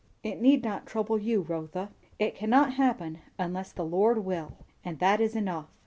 "It need not trouble you, Rotha. It cannot happen unless the Lord will; and that is enough.